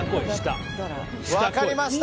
分かりました。